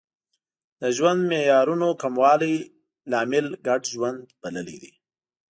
د ژوند معیارونو کموالی لامل ګډ ژوند بللی دی